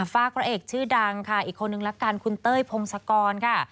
ฝากพระเอกชื่อดังค่ะอีกคนนึงละกันคุณเต้ยพงศกรค่ะ